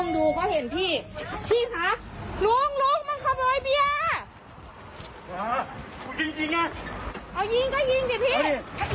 ดูทะเบียนรถไว้